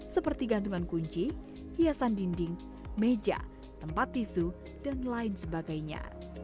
seperti gantungan kunci hiasan dinding meja tempat tisu dan lain sebagainya